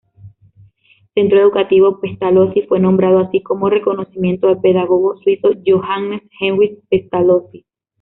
Centro Educativo Pestalozzi fue nombrado así como reconocimiento al pedagogo suizo Johannes Heinrich Pestalozzi.